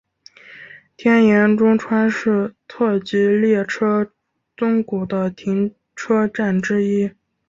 天盐中川是特急列车宗谷的停车站之一。